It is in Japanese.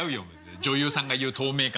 女優さんがいう透明感とは。